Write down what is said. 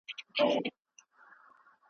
آیا عادت او دود دوی مجبوروي؟